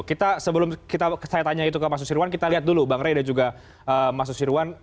kita sebelum saya tanya itu ke mas susirwan kita lihat dulu bang rey dan juga mas susirwan